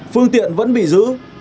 phương tiện vẫn bị giữ